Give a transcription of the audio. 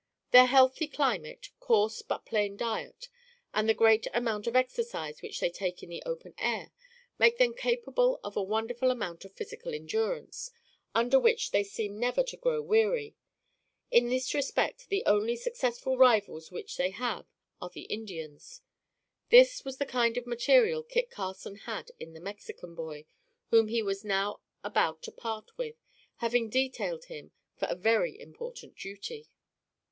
Their healthy climate, coarse but plain diet, and the great amount of exercise which they take in the open air, make them capable of a wonderful amount of physical endurance, under which they seem never to grow weary. In this respect, the only successful rivals which they have, are the Indians. This was the kind of material Kit Carson had in the Mexican boy, whom he was now about to part with, having detailed him for a very important duty.